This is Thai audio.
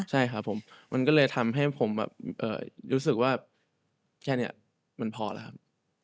ใช่ครับผมมันก็เลยทำให้ผมแบบรู้สึกว่าแค่นี้มันพอแล้วครับ